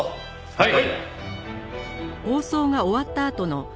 はい！